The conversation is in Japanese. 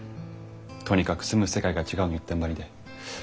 とにかく住む世界が違うの一点張りで。